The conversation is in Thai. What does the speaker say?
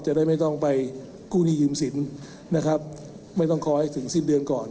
จะได้ไม่ต้องไปกู้หนี้ยืมสินนะครับไม่ต้องขอให้ถึงสิ้นเดือนก่อน